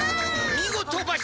見事バシ。